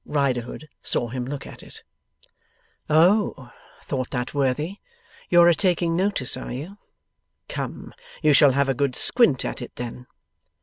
Riderhood saw him look at it. 'Oh!' thought that worthy. 'You're a taking notice, are you? Come! You shall have a good squint at it then.